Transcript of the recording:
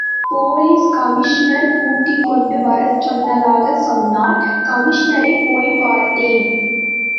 Police commissioner கூட்டிக் கொண்டு வரச் சொன்னதாகச் சொன்னார், கமிஷனரைப் போய்ப்பார்த்தேன்.